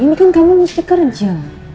ini kan kamu mesti kerja